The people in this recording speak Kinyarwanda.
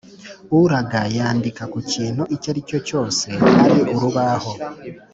uraga yandika ku kintu icyaricyo cyose ari urubaho,